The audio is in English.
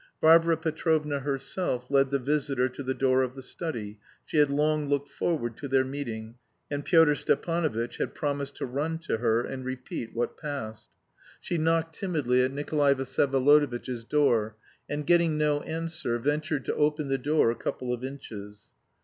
Varvara Petrovna herself led the visitor to the door of the study; she had long looked forward to their meeting, and Pyotr Stepanovitch had promised to run to her and repeat what passed. She knocked timidly at Nikolay Vsyevolodovitch's door, and getting no answer ventured to open the door a couple of inches.